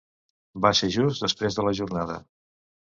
Va ser just després de la jornada.